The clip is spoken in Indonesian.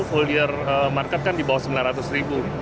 full year market kan di bawah rp sembilan ratus